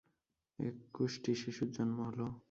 একুশটি শিশুর জন্ম হল।